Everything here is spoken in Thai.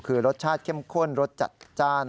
คือรสชาติเข้มข้นรสจัดจ้าน